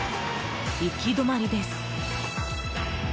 行き止まりです。